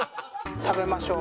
食べましょう。